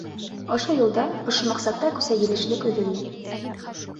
Ошо юлда, ошо маҡсатта күсәгилешлек өҙөлмәй.